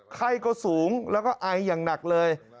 ไข้ก็สูงแล้วก็ไออย่างหนักเลย